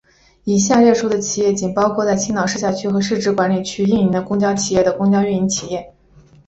以下列出的企业仅包含在青岛市辖区和市直管理区内运营的公交企业的公交运营企业。